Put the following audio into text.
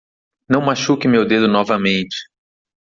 Não machuque meu dedo novamente.